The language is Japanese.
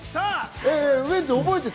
ウエンツ覚えてた？